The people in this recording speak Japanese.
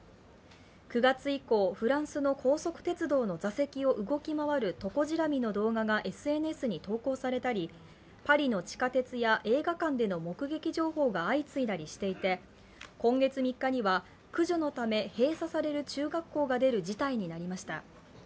９月以降、フランスの高速鉄道の座席を動き回るトコジラミの動画がＳＮＳに投稿されたりパリの地下鉄や映画館での目撃情報が相次いだりしていて今月３日には駆除のために閉鎖される中学校出る事態になりました。